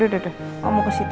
duduk duduk omong ke situ